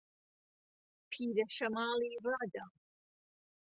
پیره شەماڵی ڕادا